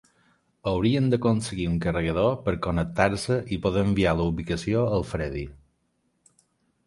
Haurien d'aconseguir un carregador per connectar-se i poder enviar la ubicació al Fredi.